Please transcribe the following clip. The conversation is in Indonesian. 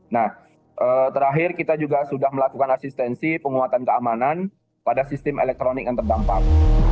nah terakhir kita juga sudah melakukan asistensi penguatan keamanan pada sistem elektronik yang terdampak